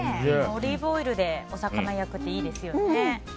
オリーブオイルでお魚焼くのはいいですよね。